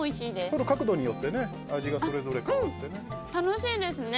取る角度によってね味がそれぞれ変わってね。